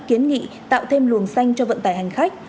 kiến nghị tạo thêm luồng xanh cho vận tải hành khách